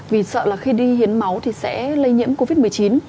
vì sợ là khi đi hiến máu thì sẽ lây nhiễm covid một mươi chín